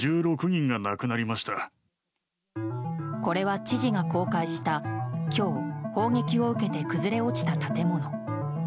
これは知事が公開した今日、砲撃を受けて崩れ落ちた建物。